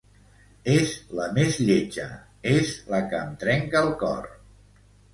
És la més lletja, és la que em trenca el cor.